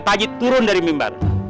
pak aji turun dari mimbar